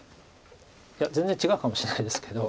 いや全然違うかもしれないですけど。